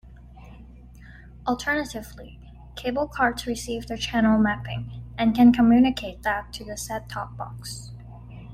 Alternatively, CableCards receive the channel mapping and can communicate that to the set-top box.